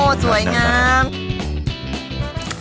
โอ้โหสวยงาม